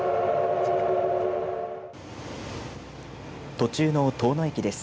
途中の遠野駅です。